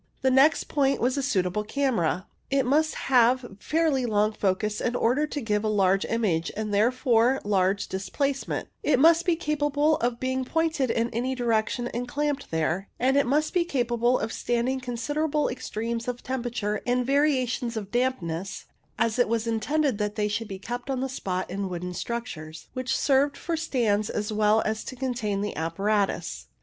The next point was a suitable camera. It must have fairly long focus in order to give a large image, and there fore large displacement ; it must be capable of being pointed in any direction and clamped there ; and it must be capable of standing considerable extremes of temperature and variations of dampness, as it was intended that they should be kept on the spot in wooden structures, which served for stands as well as to contain the apparatus.